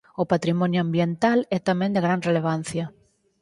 O patrimonio ambiental é tamén de gran relevancia.